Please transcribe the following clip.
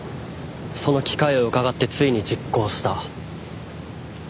その機会をうかがってついに実行した。